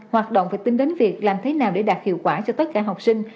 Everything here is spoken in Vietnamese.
hoạt động phải tính đến việc làm thế nào để đạt hiệu quả cho tất cả học sinh